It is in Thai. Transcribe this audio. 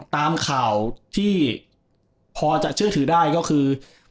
ตามข่าวที่พอจะเชื่อถือได้ก็คือ